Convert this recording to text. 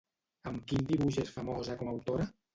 Amb quin dibuix és famosa com a autora?